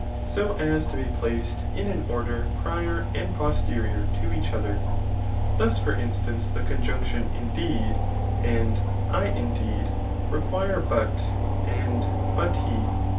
so as to be placed in an order prior and posterior to each other* Thus for instance the con]\mction indeed^ and / i$ideedt require but^ and but he.